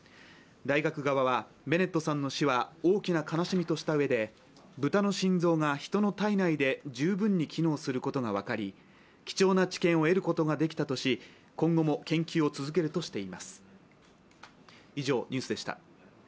大学側は、ベネットさんの死は大きな悲しみとしたうえで豚の心臓が人の体内で十分に機能することがわかり、貴重な知見を得ることができたとし今後も研究を続けるとしています。